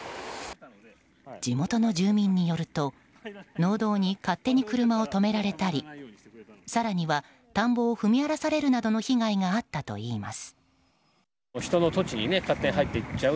地元の住民によると農道に勝手に車を止められたり更には田んぼを踏み荒らされるなどの被害があったといいます。